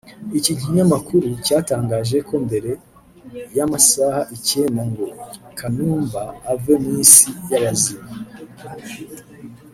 Iki kinyamakuru cyatangaje ko mbere y’amasaha icyenda ngo Kanumba ave mu isi y’abazima